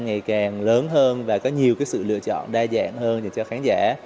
ngày càng lớn hơn và có nhiều sự lựa chọn đa dạng hơn cho khán giả